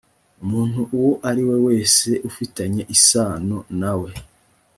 umuntu uwo ari we wese ufitanye isano nawe